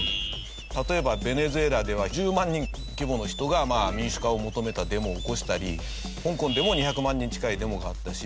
例えばベネズエラでは１０万人規模の人が民主化を求めたデモを起こしたり香港でも２００万人近いデモがあったし。